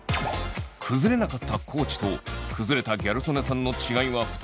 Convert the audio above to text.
崩れなかった地と崩れたギャル曽根さんの違いは２つ。